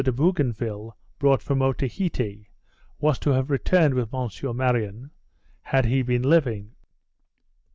de Bougainville brought from Otaheite, was to have returned with M. Marion, had he been living.